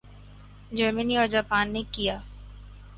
جرمنی اور جاپان نے کیا